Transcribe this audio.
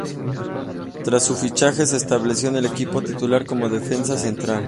Tras su fichaje, se estableció en el equipo titular como defensa central.